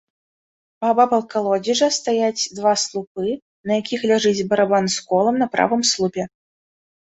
Паабапал калодзежа стаяць два слупы, на якіх ляжыць барабан з колам на правым слупе.